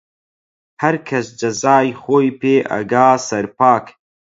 هەرکەس جەزای خۆی پێ ئەگا سەرپاک